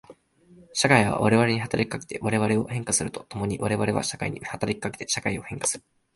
社会は我々に働きかけて我々を変化すると共に我々は社会に働きかけて社会を変化する。